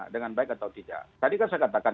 dengan baik atau tidak tadi kan saya katakan